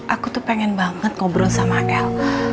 aku tuh pengen banget ngobrol sama el